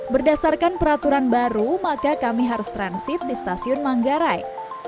berdasarkan peraturan baru maka kami harus transit di stasiun manggarai